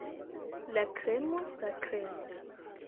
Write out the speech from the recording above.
La kremo, la kremo!